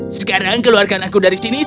sekarang keluarkan aku dari sini